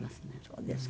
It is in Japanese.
そうですか。